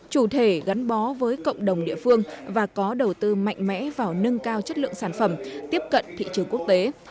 chủ thể gắn bó với cộng đồng địa phương và có đầu tư mạnh mẽ vào nâng cao chất lượng sản phẩm tiếp cận thị trường quốc tế